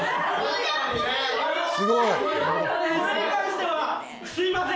すごい！